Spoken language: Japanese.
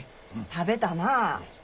食べたなあ。